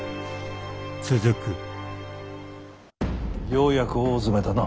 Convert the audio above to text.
ようやく大詰めだな。